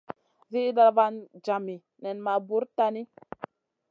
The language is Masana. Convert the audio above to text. Zida vaŋ jami nen ma bura tahni.